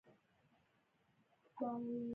غریب د دعا غږ دی